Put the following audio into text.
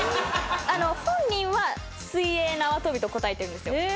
本人は「水泳縄跳び」と答えてるんですよ。